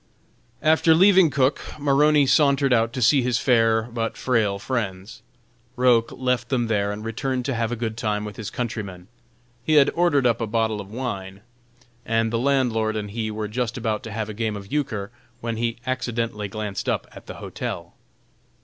After leaving Cook, Maroney sauntered out to see his fair, but frail friends. Roch left him there and returned to have a good time with his countrymen. He had ordered up a bottle of wine, and the landlord and he were just about to have a game of euchre when he accidentally glanced up at the hotel.